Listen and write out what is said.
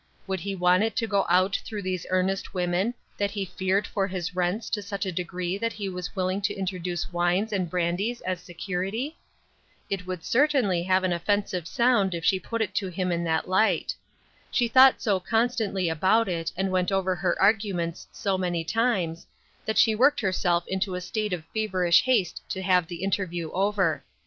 Would he want it to go out through these earnest women that he feared for his rents to such a degree that he was willing to introduce wines and brandies as security ? It would certainly have an offensive sound if she put it to him in that light. She thought so constantly about it, and went over her arguments so many times, that she worked herself into a state of feverish haste to have the interview over.